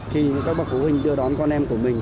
khi các bậc phụ huynh đưa đón con em của mình